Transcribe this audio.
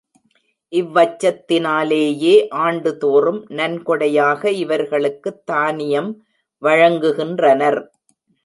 இவ்வச்சத்தினாலேயே ஆண்டுதோறும் நன்கொடையாக இவர்களுக்குத் தானியம் வழங்குகின்றனர்.